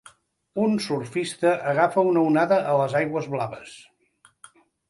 Un surfista agafa una onada a les aigües blaves.